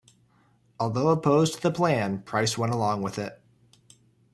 Although opposed to the plan, Price went along with it.